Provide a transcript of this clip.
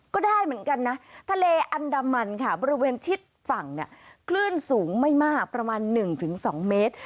ก็ได้เหมือนกันนะทะเลอันดามันค่ะบริเวณชิดฝั่งเนี่ยคลื่นสูงไม่มากประมาณ๑๒เมตร